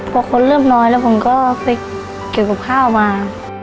พอคนเริ่มน้อยแล้วผมก็ไปเกี่ยวกับข้าวมา